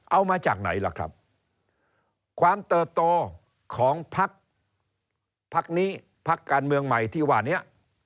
เอามาจากไหนล่ะครับความเติบโตของพักพักนี้พักการเมืองใหม่ที่ว่านี้